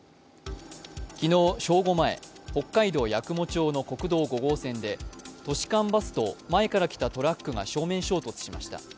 昨日正午前、北海道八雲町の国道５号線で都市間バスと前から来たトラックが正面衝突しました。